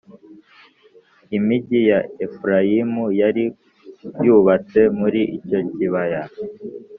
imigii ya Efurayimu yari yubatse muri icyo kibaya